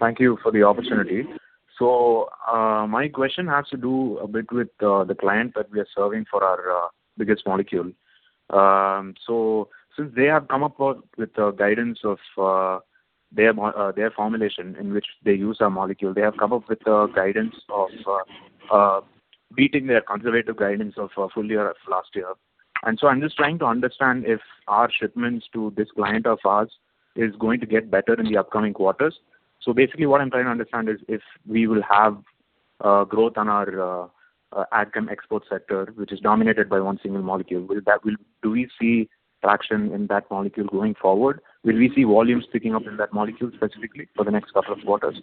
Q: Thank you for the opportunity. My question has to do a bit with the client that we are serving for our biggest molecule. Since they have come up with guidance of their formulation in which they use our molecule, they have come up with guidance of beating their conservative guidance of full year last year. I'm just trying to understand if our shipments to this client of ours are going to get better in the upcoming quarters. Basically, what I'm trying to understand is if we will have growth on our AgChem export sector, which is dominated by one single molecule, do we see traction in that molecule going forward? Will we see volumes picking up in that molecule specifically for the next couple of quarters?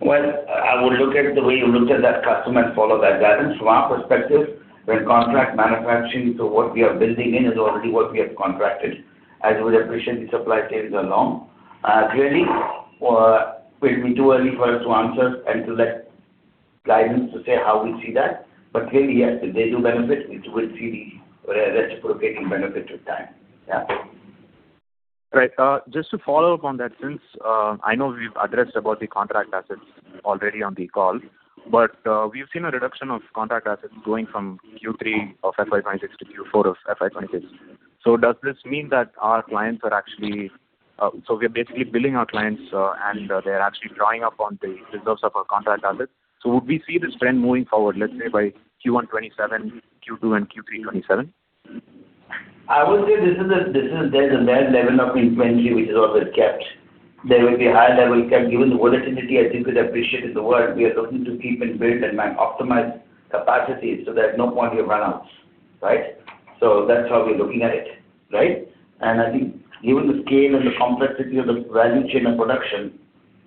C: Well, I would look at the way you looked at that customer and follow that guidance. From our perspective, when contract manufacturing to what we are building in is already what we have contracted, as we would appreciate the supply chains are long. Clearly, it will be too early for us to answer and to let guidance to say how we see that. Clearly, yes, if they do benefit, we would see the reciprocating benefit with time. Yeah?
Q: Right. Just to follow up on that, since I know we've addressed about the contract assets already on the call, but we've seen a reduction of contract assets going from Q3 of FY 2026 to Q4 of FY 2026. Does this mean that our clients are actually so we are basically billing our clients, and they are actually drawing up on the reserves of our contract assets. Would we see this trend moving forward, let's say, by Q1 2027, Q2 2027, and Q3 2027?
C: I would say there's a base level of inventory, which is always kept. There will be high level kept given the volatility, as you could appreciate in the world. We are looking to keep and build and optimize capacities so there's no point here runouts, right? That's how we're looking at it, right? I think given the scale and the complexity of the value chain of production,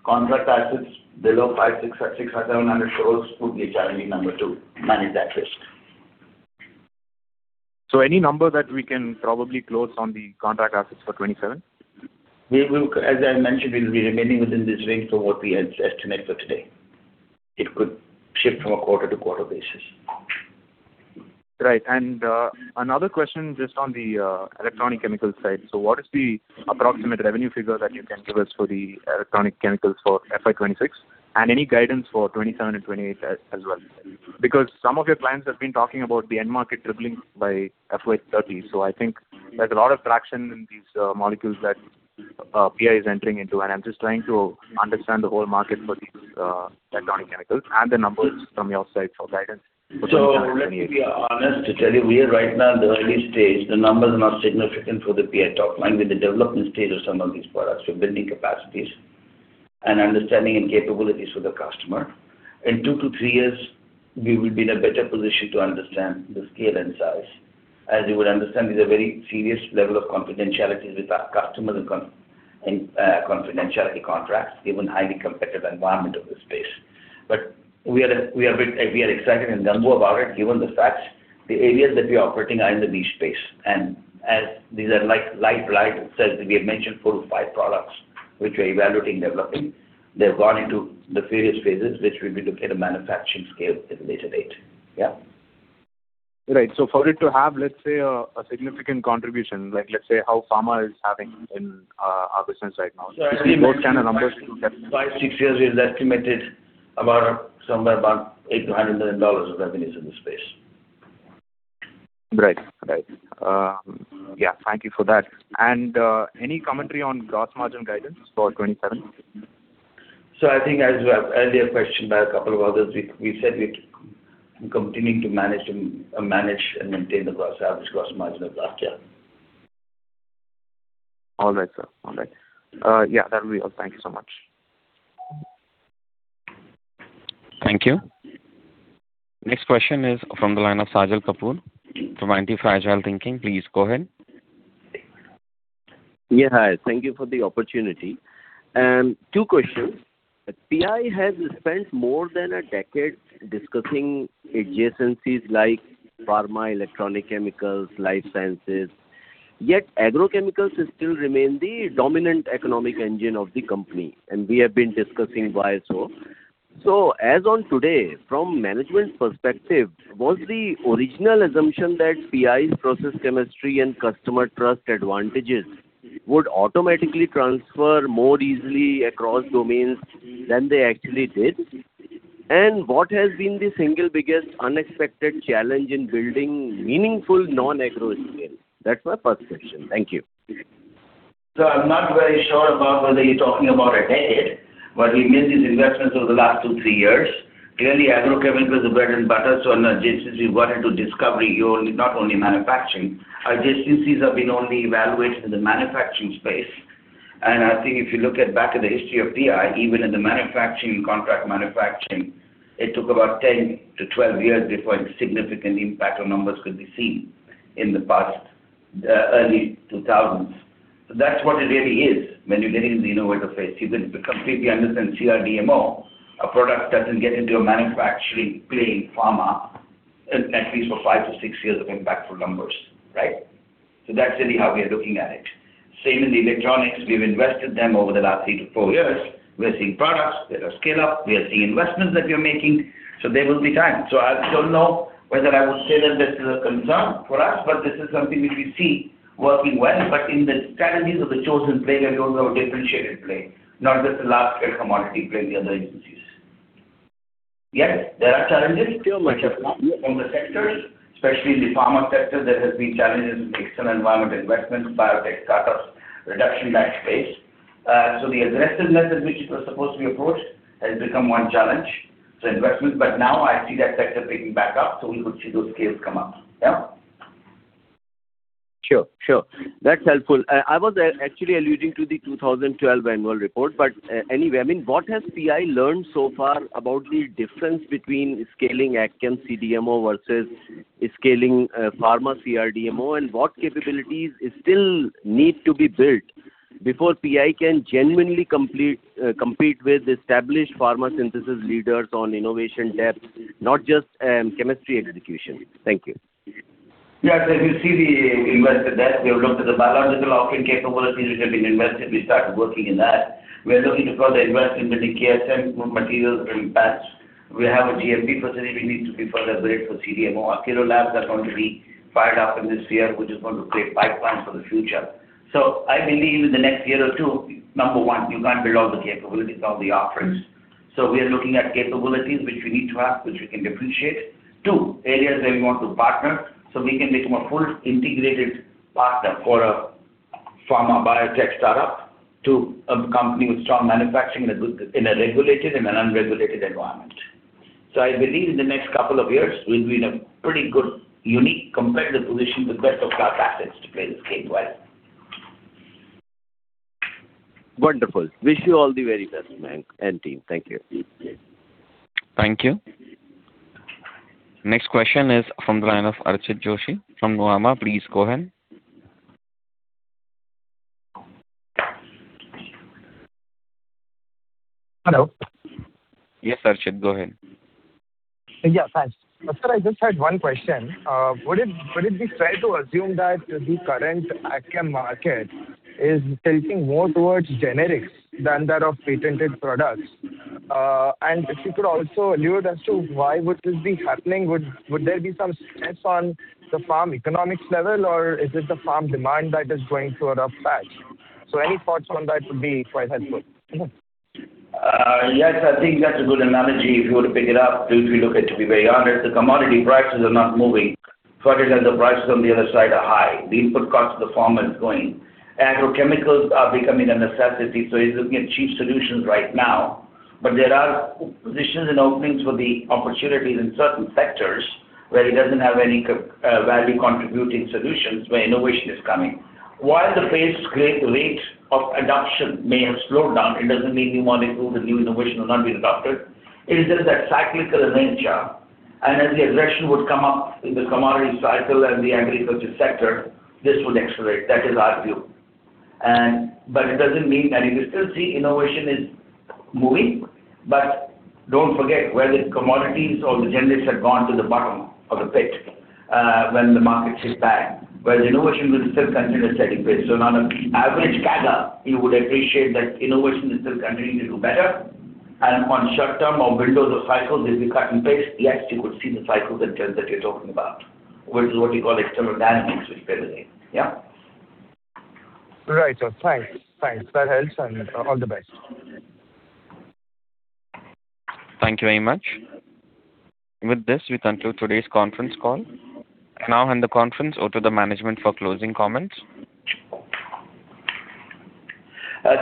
C: contract assets below 5, 6, 700 crore would be a challenging number to manage that risk.
Q: Any number that we can probably close on the contract assets for 2027?
C: As I mentioned, we'll be remaining within this range for what we estimate for today. It could shift from a quarter to quarter basis.
Q: Right. Another question just on the electronic chemical side. What is the approximate revenue figure that you can give us for the electronic chemicals for FY 2026, and any guidance for 2027 and 2028 as well? Because some of your clients have been talking about the end market dribbling by FY 2030. I think there's a lot of traction in these molecules that PI is entering into. I'm just trying to understand the whole market for these electronic chemicals and the numbers from your side for guidance for 2027 and 2028.
C: Let me be honest to tell you, we are right now in the early stage. The numbers are not significant for the PI top line. We are in the development stage of some of these products. We are building capacities and understanding and capabilities for the customer. In two to three years, we will be in a better position to understand the scale and size, as you would understand, these are very serious levels of confidentialities with our customers and confidentiality contracts given the highly competitive environment of this space. We are excited and gung-ho about it given the facts the areas that we are operating are in the niche space. As these are light, as we have mentioned, four to five products which we are evaluating and developing. They have gone into the various phases, which we will be looking at a manufacturing scale at a later date. Yeah?
Q: Right. For it to have, let's say, a significant contribution, let's say how pharma is having in our business right now, just to give those kind of numbers.
C: In five, six years, we've estimated somewhere about $8 million-$100 million of revenues in this space.
Q: Right. Right. Yeah. Thank you for that. Any commentary on gross margin guidance for 2027?
C: I think as earlier questioned by a couple of others, we said we're continuing to manage and maintain the average gross margin of last year.
Q: All right, sir. All right. Yeah, that'll be all. Thank you so much.
A: Thank you. Next question is from the line of Sajal Kapoor from Antifragile Thinking. Please go ahead.
R: Yeah. Hi. Thank you for the opportunity. Two questions. PI has spent more than a decade discussing adjacencies like pharma, electronic chemicals, life sciences. Yet agrochemicals still remain the dominant economic engine of the company, and we have been discussing why so. As on today, from management perspective, was the original assumption that PI's process chemistry and customer trust advantages would automatically transfer more easily across domains than they actually did? What has been the single biggest unexpected challenge in building meaningful non-agro scale? That's my first question. Thank you.
C: I'm not very sure about whether you're talking about a decade, but we made these investments over the last two, three years. Clearly, agrochemicals are bread and butter. In our adjacencies, we wanted to discover not only manufacturing. Our adjacencies have been only evaluated in the manufacturing space. I think if you look back at the history of PI, even in the contract manufacturing, it took about 10-12 years before a significant impact on numbers could be seen in the past early 2000s. That's what it really is when you're getting into the innovative phase. You can completely understand CRDMO. A product doesn't get into a manufacturing play in pharma at least for five to six years of impactful numbers, right? That's really how we are looking at it. Same in the electronics. We've invested them over the last three to four years. We are seeing products. They're a scale-up. We are seeing investments that we are making. There will be time. I don't know whether I would say that this is a concern for us, but this is something which we see working well. In the strategies of the chosen player, we also have a differentiated play, not just the large-scale commodity play in the other AgChem. Yes, there are challenges.
R: Still much.
C: From the sectors, especially in the pharma sector, there have been challenges with external environment investments, biotech startups, reduction-space. The aggressiveness at which it was supposed to be approached has become one challenge. Investments. Now I see that sector picking back up, so we could see those scales come up. Yeah?
R: Sure. Sure. That's helpful. I was actually alluding to the 2012 annual report. Anyway, I mean, what has PI learned so far about the difference between scaling AgChem CDMO versus scaling pharma CRDMO, and what capabilities still need to be built before PI can genuinely compete with established pharma synthesis leaders on innovation depth, not just chemistry execution? Thank you.
C: Yes. As you see, we invested that. We have looked at the biological offering capabilities which have been invested. We started working in that. We are looking to further invest in the KSM materials impacts. We have a GMP facility we need to be further built for CDMO, kilo labs are going to be fired up in this year, which is going to create pipelines for the future. I believe in the next year or two, number one, you can't build all the capabilities on the offerings. We are looking at capabilities which we need to have, which we can depreciate. Two, areas where we want to partner so we can become a full integrated partner for a pharma biotech startup to a company with strong manufacturing in a regulated and an unregulated environment. I believe in the next couple of years, we'll be in a pretty good, unique, competitive position with best-of-class assets to play this game well.
R: Wonderful. Wish you all the very best, Mayank and team. Thank you.
A: Thank you. Next question is from the line of Archit Joshi from Nuvama. Please go ahead.
S: Hello.
A: Yes, Archit. Go ahead.
S: Yeah. Thanks. Sir, I just had one question. Would it be fair to assume that the current AgChem market is tilting more towards generics than that of patented products? If you could also allude as to why would this be happening, would there be some stress on the farm economics level, or is it the farm demand that is going through a rough patch? Any thoughts on that would be quite helpful.
C: Yes. I think that's a good analogy. If you were to pick it up, if you look at to be very honest, the commodity prices are not moving, the prices on the other side are high. The input cost of the farmer is going. Agrochemicals are becoming a necessity. He's looking at cheap solutions right now. There are positions and openings for the opportunities in certain sectors where he doesn't have any value-contributing solutions where innovation is coming. While the pace rate of adoption may have slowed down, it doesn't mean new molecules and new innovation will not be adopted. It is just that cyclical nature. As the aggression would come up in the commodity cycle and the agriculture sector, this would accelerate. That is our view. It doesn't mean that if you still see innovation is moving, but don't forget where the commodities or the generics have gone to the bottom of the pit when the market hit back, whereas innovation will still continue at steady pace. On an average CAGR, you would appreciate that innovation is still continuing to do better. On short-term or windows of cycles, if you cut in pace, yes, you could see the cycles and trends that you're talking about, which is what you call external dynamics, which play the game. Yeah.
S: Right. Thanks. Thanks. That helps, and all the best.
A: Thank you very much. With this, we conclude today's conference call. I can now hand the conference over to the management for closing comments.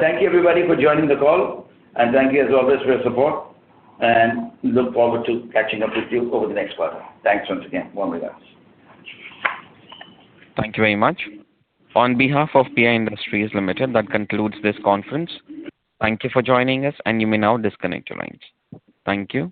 C: Thank you, everybody, for joining the call. Thank you, as always, for your support. Look forward to catching up with you over the next quarter. Thanks once again. Warm regards.
A: Thank you very much. On behalf of PI Industries Limited, that concludes this conference. Thank you for joining us, and you may now disconnect your lines. Thank you.